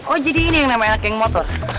oh jadi ini yang nama lk yang motor